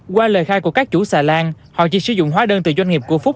qua lời khai của các chủ xã lan họ chỉ sử dụng khóa đơn từ doanh nghiệp của phúc